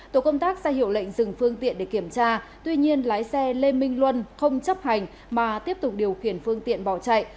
tổ công tác ra hiệu lệnh dừng phương tiện để kiểm tra tuy nhiên lái xe lê minh luân không chấp hành mà tiếp tục điều khiển phương tiện bỏ chạy